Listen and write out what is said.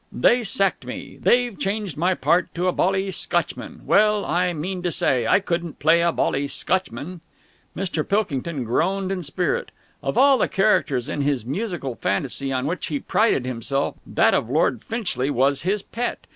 "They sacked me! They've changed my part to a bally Scotchman! Well, I mean to say, I couldn't play a bally Scotchman!" Mr. Pilkington groaned in spirit. Of all the characters in his musical fantasy on which he prided himself, that of Lord Finchley was his pet.